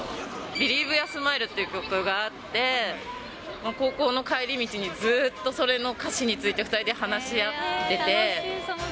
ＢｅｌｉｅｖｅＹｏｕｒＳｍｉｌｅっていう曲があって、高校の帰り道にずっとそれの歌詞について、２人で話し合ってて。